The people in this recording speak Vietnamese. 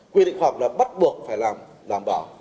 quy định khoa học là bắt buộc phải làm đảm bảo